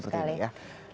harus seperti ini ya